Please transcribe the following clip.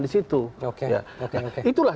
di situ itulah